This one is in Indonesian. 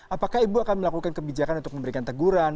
apakah ibu akan melakukan kebijakan untuk memberikan teguran